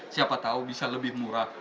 siapa tahu bisa lebih murah